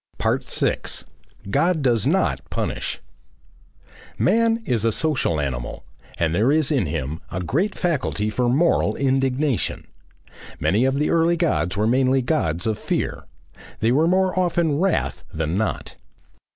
6. GOD DOES NOT PUNISH Man is a social animal, and there is in him a great faculty for moral indignation. Many of the early Gods were mainly Gods of Fear. They were more often "wrath" than not.